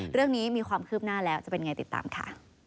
เรื่องนี้มีความคืบหน้าแล้วจะเป็นไงติดตามค่ะ